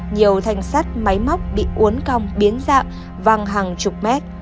nhiều thanh sắt máy móc bị uốn cong biến dạng văng hàng chục mét